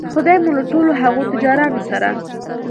خدای مو له ټولو هغو تجارانو سره